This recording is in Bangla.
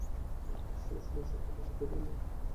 আমি মাস্টারমশায়কে বলে দেব না?